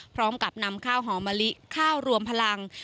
พร้อมกับนำข้าวหอมะลิข้าวรวมพลัง